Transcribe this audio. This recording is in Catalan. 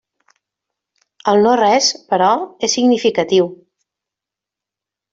El no-res, però, és significatiu.